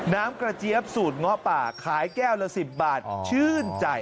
น้ำกระเจี๊ยบสูตรเงาะป่าขายแก้วละ๑๐บาทชื่นใจ